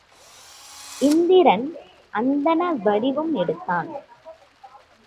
இந்திரன் அந்தண வடிவு எடுத்தான்.